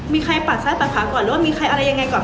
มีใครปัดซ้ายปัดขวาก่อนหรือว่ามีใครอะไรยังไงก่อน